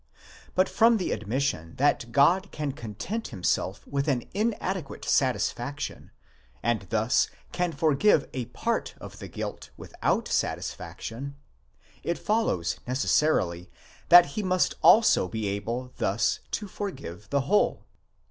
But from the admission that God can content himself with an inadequate satisfaction, and thus can forgive a part of the guilt without satisfaction, it follows necessarily, that he must also be able thus to forgive the whole.